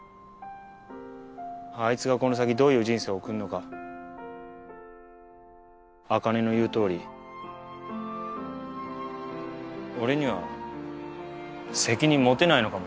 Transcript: あいつがこの先どういう人生を送るのかあかねの言うとおり俺には責任持てないのかもしれない。